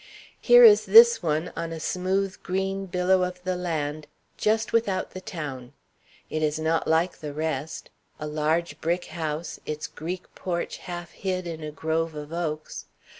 Here is this one on a smooth green billow of the land, just without the town. It is not like the rest, a large brick house, its Greek porch half hid in a grove of oaks.